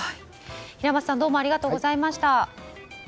平松さんどうもありがとうございました。